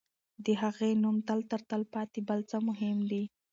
د هغې نوم تر تل پاتې بل څه مهم دی.